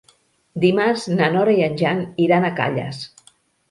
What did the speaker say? Dimarts na Nora i en Jan iran a Calles.